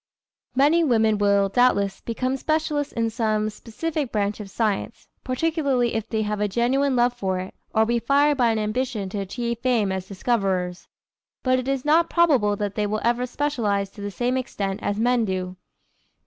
Many women will, doubtless, become specialists in some specific branch of science, particularly if they have a genuine love for it, or be fired by an ambition to achieve fame as discoverers. But it is not probable that they will ever specialize to the same extent as men do.